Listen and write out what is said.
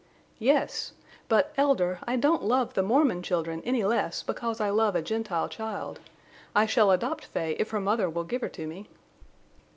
"Yes. But, Elder, I don't love the Mormon children any less because I love a Gentile child. I shall adopt Fay if her mother will give her to me."